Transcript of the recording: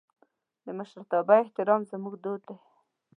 د مشرتابه احترام زموږ دود دی.